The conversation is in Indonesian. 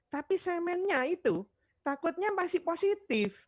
tapi semennya itu takutnya masih positif